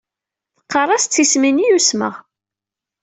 Teqqar-as d tismin i usmeɣ.